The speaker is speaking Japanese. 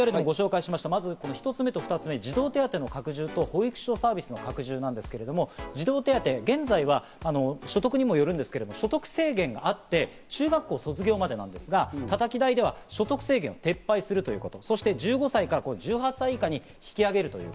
ＶＴＲでもご紹介しました、１つ目と２つ目、児童手当の拡充と保育所サービスの拡充なんですけど、児童手当、現在は所得にもよるんですけど、所得制限があって中学校卒業までなんですが、たたき台では所得制限を撤廃するということ。